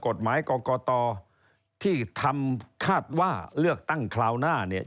กฎหมายกรกตที่ทำคาดว่าเลือกตั้งคราวหน้าเนี่ย